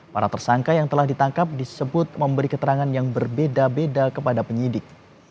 para tersangka yang telah ditangkap disebut memberi keterangan yang berbeda beda kepada penyidik